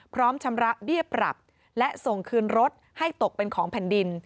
ชำระเบี้ยปรับและส่งคืนรถให้ตกเป็นของแผ่นดิน